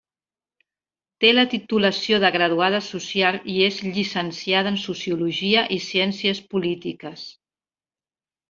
Té la titulació de Graduada Social i és llicenciada en Sociologia i Ciències Polítiques.